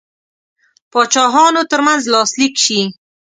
پاچاهانو ترمنځ لاسلیک سي.